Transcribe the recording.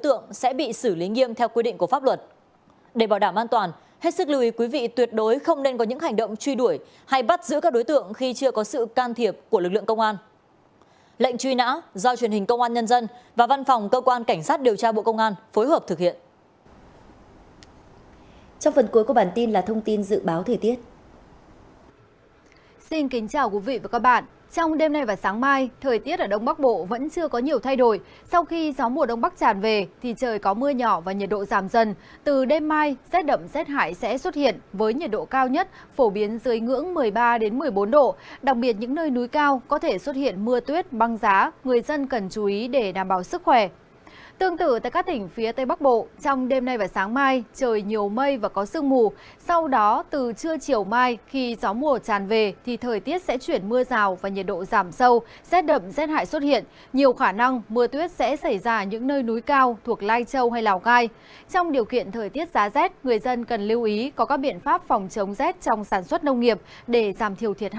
trong điều kiện thời tiết giá rét người dân cần lưu ý có các biện pháp phòng chống rét trong sản xuất nông nghiệp để giảm thiểu thiệt hại do thiên tai gây ra